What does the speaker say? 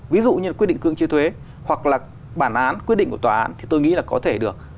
ví dụ như quyết định cương trí thuế hoặc là bản án quyết định của tòa án thì tôi nghĩ là có thể được